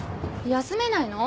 休めないの？